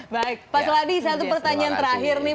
baik pak seladi satu pertanyaan terakhir nih